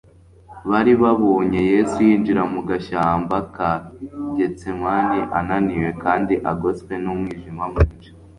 Bari babonye Yesu yinjira mu gashyamba ka Getsemani ananiwe kandi agoswe n'umwijima mwinshi.